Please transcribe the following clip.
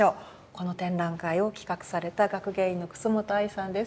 この展覧会を企画された学芸員の楠本愛さんです。